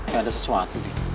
gak ada sesuatu